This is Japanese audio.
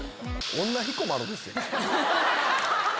女彦摩呂ですよ。